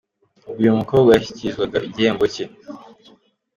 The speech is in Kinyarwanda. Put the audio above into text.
Ubwo uyu mukobwa yashyikirizwaga igihembo cye.